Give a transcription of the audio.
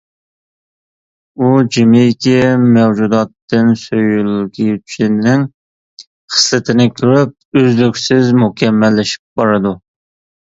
ئۇ جىمىكى مەۋجۇداتتىن سۆيۈلگۈچىنىڭ خىسلىتىنى كۆرۈپ، ئۈزلۈكسىز مۇكەممەللىشىپ بارىدۇ.